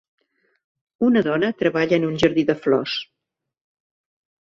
Una dona treballa en un jardí de flors